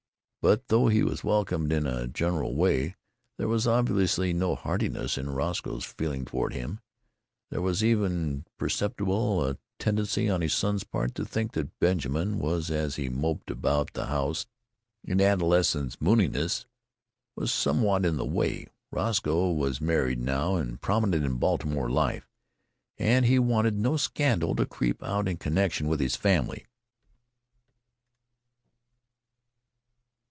But though he was welcomed in a general way there was obviously no heartiness in Roscoe's feeling toward him there was even perceptible a tendency on his son's part to think that Benjamin, as he moped about the house in adolescent mooniness, was somewhat in the way. Roscoe was married now and prominent in Baltimore life, and he wanted no scandal to creep out in connection with his family.